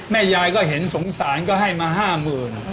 แม่ยายก็เห็นสงสารก็ให้มาห้าหมื่น